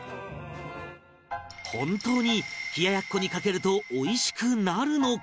本当に冷奴にかけるとおいしくなるのか？